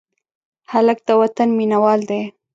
هلک د وطن مینه وال دی.